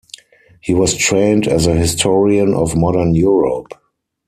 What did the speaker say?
He was trained as a historian of modern Europe.